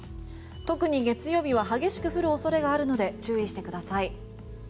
特に月曜日は激しく降る恐れがあるので注意してください。